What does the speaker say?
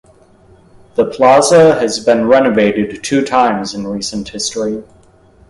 The plaza has been renovated two times in recent history.